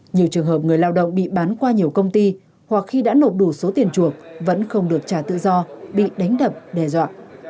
nhiều trường hợp người lao động bị bán qua nhiều công ty hoặc khi đã nộp đủ số tiền chuộc vẫn không được trả tự do bị đánh đập đe dọa